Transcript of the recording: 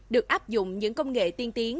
được áp dụng những công nghệ tiên tiến